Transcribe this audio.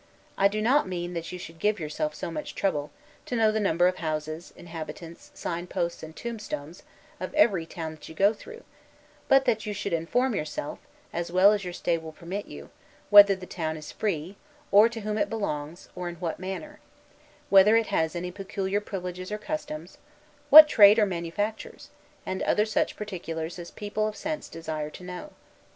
I do not mean that you should give yourself so much trouble, to know the number of houses, inhabitants, signposts, and tombstones, of every town that you go through; but that you should inform yourself, as well as your stay will permit you, whether the town is free, or to whom it belongs, or in what manner: whether it has any peculiar privileges or customs; what trade or manufactures; and such other particulars as people of sense desire to know.